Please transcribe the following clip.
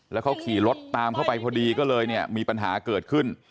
แล้วเขาขี่รถตามเข้าไปพอดีก็เลยเนี่ยมีปัญหาเกิดขึ้น